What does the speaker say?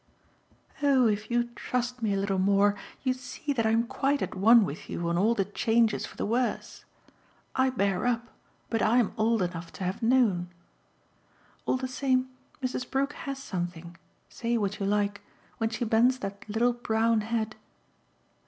Oh if you'd trust me a little more you'd see that I'm quite at one with you on all the changes for the worse. I bear up, but I'm old enough to have known. All the same Mrs. Brook has something say what you like when she bends that little brown head.